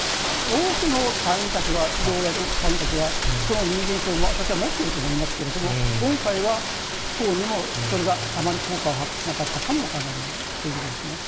多くの隊員たちは、指導役の隊員たちは、その人間性を私は持っていると思いますけども、今回は不幸にも、それがあまり効果を発揮しなかったかも分からないということです